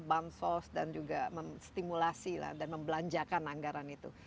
bansos dan juga memstimulasi lah dan membelanjakan anggaran itu